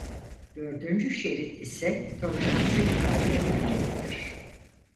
Dördüncü şerit ise toleransı ifade eden renktir.